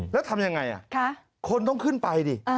แล้วทำยังไงคนต้องขึ้นไปดิ